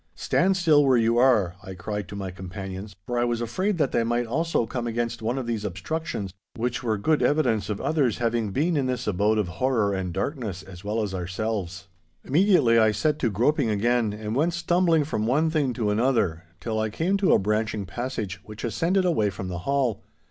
'Stand still where you are,' I cried to my companions. For I was afraid that they also might come against one of these obstructions, which were good evidence of others having been in this abode of horror and darkness as well as ourselves. Immediately I set to the groping again, and went stumbling from one thing to another till I came to a branching passage which ascended away from the hall.